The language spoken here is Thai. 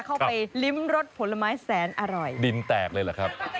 เข้าไปลิ้มรสผลไม้แสนอร่อยดินแตกเลยเหรอครับ